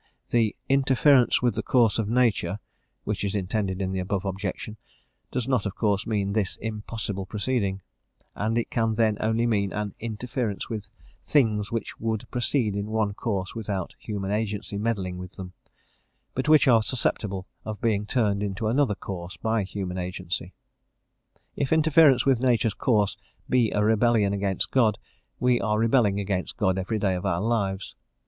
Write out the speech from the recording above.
The "interference with the course of nature" which is intended in the above objection does not of course mean this impossible proceeding; and it can then only mean an interference with things which would proceed in one course without human agency meddling with them, but which are susceptible of being turned into another course by human agency. If interference with nature's course be a rebellion against God, we are rebelling against God every day of our lives.